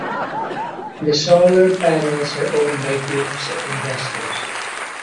The solar panels are owned by groups of investors.